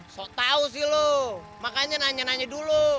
so tau sih lo makanya nanya nanya dulu